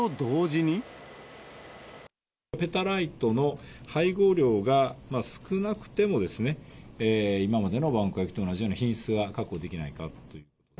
ペタライトの配合量が少なくてもですね、今までの萬古焼と同じような品質が確保できないかと。